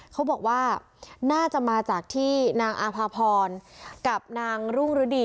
เขาบอกว่าน่าจะมาจากที่นางอาภาพรกับนางรุ่งฤดี